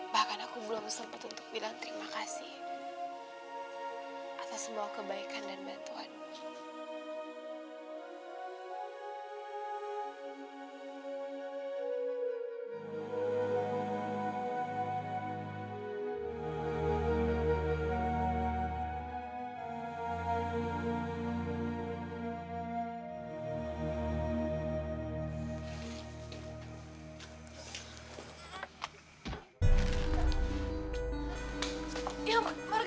bahkan aku belum sempat untuk bilang terima kasih